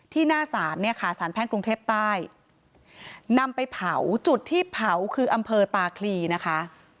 หน้าศาลเนี่ยค่ะสารแพ่งกรุงเทพใต้นำไปเผาจุดที่เผาคืออำเภอตาคลีนะคะ